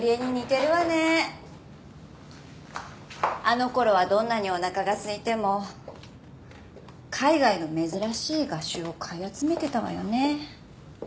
あのころはどんなにおなかがすいても海外の珍しい画集を買い集めてたわよね。